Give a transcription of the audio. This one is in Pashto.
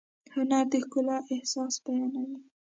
هنر د ښکلا احساس بیانوي.